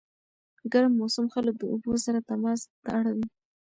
ګرم موسم خلک د اوبو سره تماس ته اړوي.